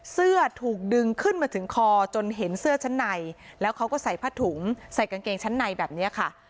เสื้อถูกดึงขึ้นมาถึงคอจนเห็นเสื้อชั้นในแล้วเขาก็ใส่ผ้าถุงใส่กางเกงชั้นในแบบนี้ค่ะ